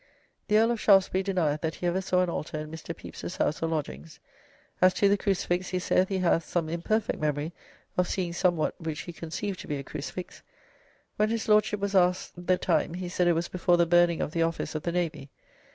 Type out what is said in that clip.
The Earl of Shaftesbury denieth that he ever saw an Altar in Mr. Pepys's house or lodgings; as to the Crucifix, he saith he hath, some imperfect memory of seeing somewhat which he conceived to be a Crucifix. When his Lordship was asked the time, he said it was before the burning of the Office of the Navy.